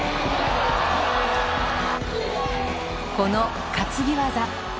この担ぎ技。